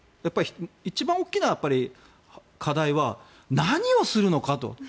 一番大きい課題は何をするのかと。